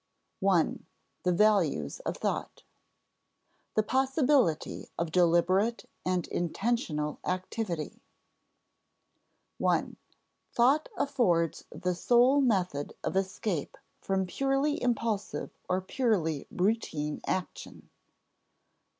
§ 1. The Values of Thought [Sidenote: The possibility of deliberate and intentional activity] I. Thought affords the sole method of escape from purely impulsive or purely routine action.